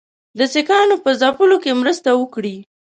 د سیکهانو په ځپلو کې مرسته وکړي.